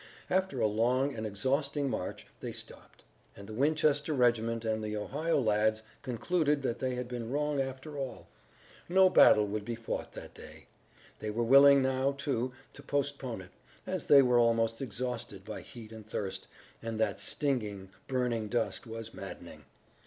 After a long and exhausting march they stopped, and the Winchester regiment and the Ohio lads concluded that they had been wrong after all. No battle would be fought that day. They were willing now, too, to postpone it, as they were almost exhausted by heat and thirst, and that stinging, burning dust was maddening.